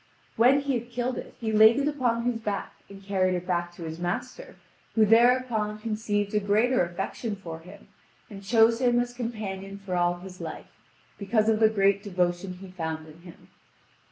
When he had killed it he laid it upon his back and carried it back to his master, who thereupon conceived a greater affection for him, and chose him as a companion for all his life, because of the great devotion he found in him.